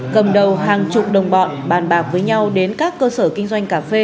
cầm đầu hàng chục đồng bọn bàn bạc với nhau đến các cơ sở kinh doanh cà phê